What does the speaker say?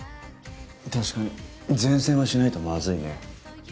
確かに善戦はしないとまずいね。